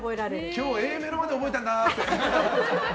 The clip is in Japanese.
今日はＡメロまで覚えたんだって。